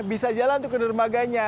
bisa jalan tuh ke dermaganya